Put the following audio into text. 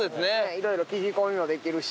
いろいろ聞き込みもできるし。